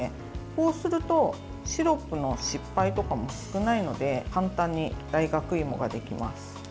こうするとシロップの失敗とかも少ないので簡単に大学いもができます。